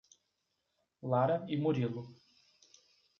Lara e Murilo